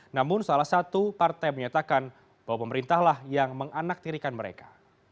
namun salah satu partai menyatakan bahwa pemerintahlah yang menganaktirikan mereka